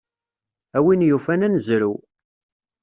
A win yufan ad nezrew.